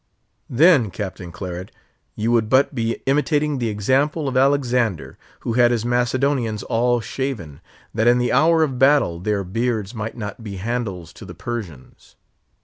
Then, Captain Claret, you would but be imitating the example of Alexander, who had his Macedonians all shaven, that in the hour of battle their beards might not be handles to the Persians.